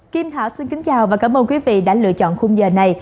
kim thảo xin kính chào và cảm ơn quý vị đã lựa chọn khung giờ này